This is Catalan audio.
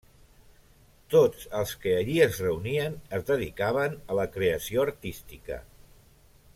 Tots els que allí es reunien es dedicaven a la creació artística.